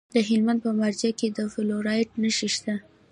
د هلمند په مارجه کې د فلورایټ نښې شته.